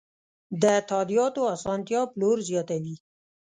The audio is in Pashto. د تادیاتو اسانتیا پلور زیاتوي.